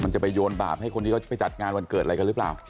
จะไปโยนบาปให้คนที่เขาไปจัดงานวันเกิดอะไรกันหรือเปล่า